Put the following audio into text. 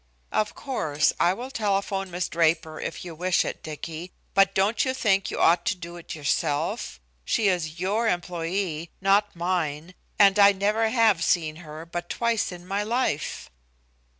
"Of course, I will telephone Miss Draper if you wish it, Dicky, but don't you think you ought to do it yourself? She is your employee, not mine, and I never have seen her but twice in my life."